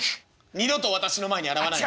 「二度と私の前に現れないで」。